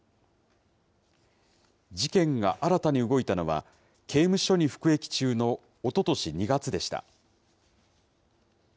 事件が新たに動いたのは、刑務所に服役中のおととし２月でした。